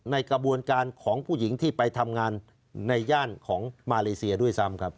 ในกระบวนการของผู้หญิงที่ไปทำงานในย่านของมาเลเซียด้วยซ้ำครับ